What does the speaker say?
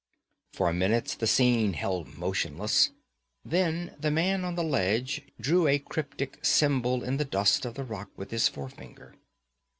For minutes the scene held motionless; then the man on the ledge drew a cryptic symbol in the dust on the rock with his forefinger.